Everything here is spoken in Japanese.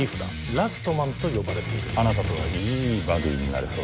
ラストマンと呼ばれているあなたとはいいバディになれそうです